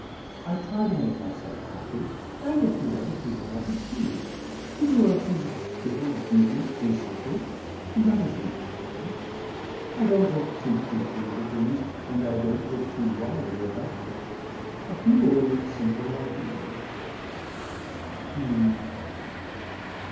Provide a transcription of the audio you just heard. I try to make myself happy, and a few other people happy, too, to do a few little duties decently, and that is enough for me. I don't look too deeply into things, and I don't look too widely about things. A few old simple ideals "H'm.